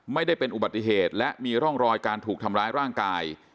ไม่ได้เป็นอุบัติเหตุและมีร่องรอยการถูกทำร้ายร่างกาย